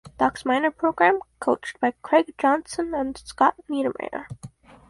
Ducks minor program coached by Craig Johnson and Scott Niedermayer.